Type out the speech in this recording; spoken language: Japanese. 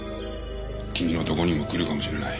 君のとこにも来るかもしれない。